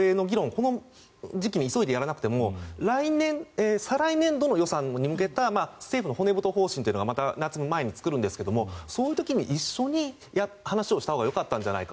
この時期に急いでやらなくても再来年度の予算に向けた政府の骨太方針というのを夏の前にまた作るんですけどもその時に一緒に話をしたほうがよかったんじゃないか。